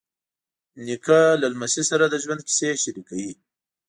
نیکه له لمسي سره د ژوند کیسې شریکوي.